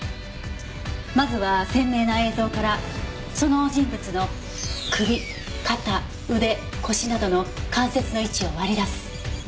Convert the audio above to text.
まずは鮮明な映像からその人物の首肩腕腰などの関節の位置を割り出す。